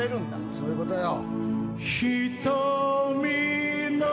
そういうことよ。